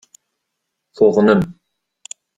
Tuḍnem.